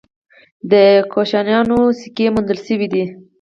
د کوشانشاهانو سکې موندل شوي دي